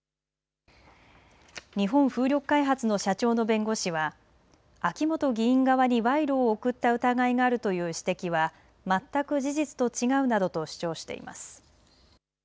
日本風力開発の社長の弁護士は秋本議員側に賄賂を贈った疑いがあるという指摘は全く事実と違うなどと主張しています。